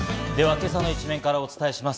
今朝の一面からお伝えします。